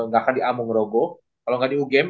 gak akan di amungrogo kalau gak di ugm